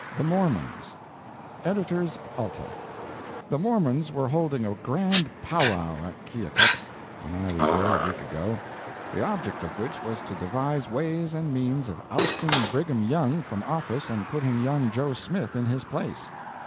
THE MORMONS EDITORS ALTA: The Mormons were holding a grand pow wow at Keokuk, when I was there a week ago, the object of which was to devise ways and means of ousting Brigham Young from office and putting young Joe Smith in his place.